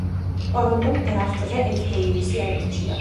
ტორონტომ დრაფტზე ედ დეივისი აირჩია.